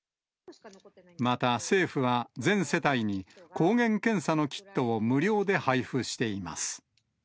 また政府は全世帯に抗原検査のキットを無料で配布しています。